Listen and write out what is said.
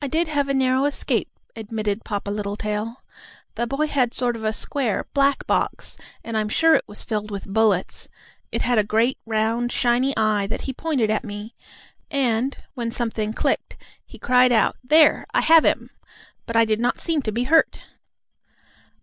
"I did have a narrow escape," admitted Papa Littletail. "The boy had a sort of square, black box, and I'm sure it was filled with bullets. It had a great, round, shiny eye, that he pointed at me, and, when something clicked, he cried out, 'There, I have him!' But I did not seem to be hurt."